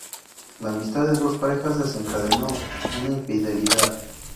La amistad de dos parejas desencadenó una infidelidad...